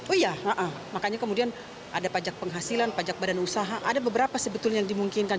oh iya makanya kemudian ada pajak penghasilan pajak badan usaha ada beberapa sebetulnya yang dimungkinkan